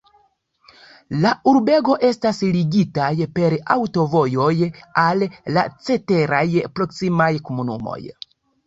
La urbego estas ligataj per aŭtovojoj al la ceteraj proksimaj komunumoj.